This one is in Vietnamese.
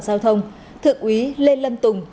giao thông thượng quý lê lâm tùng